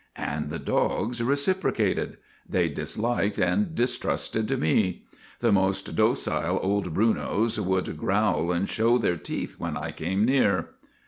" And the dogs reciprocated. They disliked and distrusted me. The most docile old Brunos would growl and show their teeth when I came near."